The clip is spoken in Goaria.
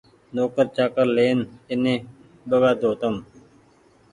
نوڪر چآڪر لين ايني ٻگآۮو ني